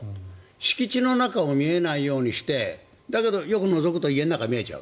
敷地の中を見えないようにしてだけど、よくのぞくと家の中が見えちゃう。